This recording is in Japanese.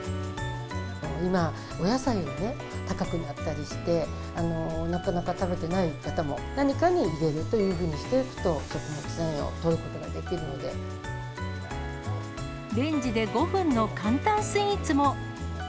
今、お野菜も高くなったりして、なかなか食べてない方も、何かに入れるというふうにしていくと、食物繊維をとることができレンジで５分の簡単スイーツも。